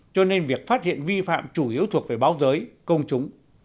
cho nên việc phát hiện vi phạm chủ yếu thuộc về báo giới công chúng